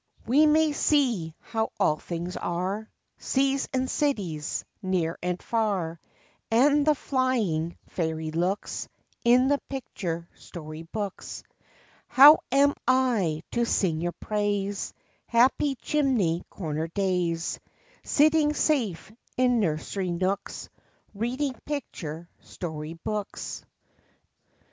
We may see how all things are, Seas and cities, near and far, And the flying fairies' looks, In the picture story books. How am I to sing your praise, Happy chimney corner days, Sitting safe in nursery nooks, Reading picture story books?